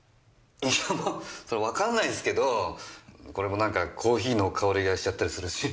いやもうわからないんすけどこれも何かコーヒーの香りがしちゃったりするし。